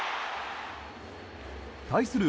対する